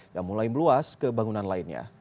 dan mulai meluas ke bangunan lainnya